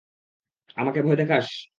আমাকে ভয় দেখাস?